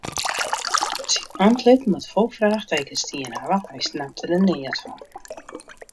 Syn antlit moat fol fraachtekens stien hawwe, hy snapte der neat fan.